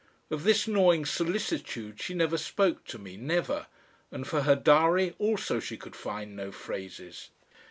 Of this gnawing solicitude she never spoke to me, never, and for her diary also she could find no phrases.